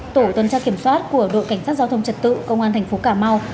tổ tuần tra kiểm soát của đội cảnh sát giao thông trật tự công an thành phố cà mau